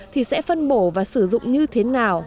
thì sẽ phân bổ và sử dụng như thế nào